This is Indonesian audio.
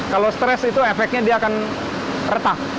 kalau stress itu efeknya dia akan retak